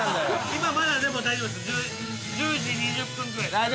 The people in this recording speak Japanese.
今まだでも大丈夫です１０時２０分ぐらいですああ